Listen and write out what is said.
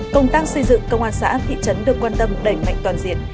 công tác xây dựng công an xã thị trấn được quan tâm đẩy mạnh toàn diện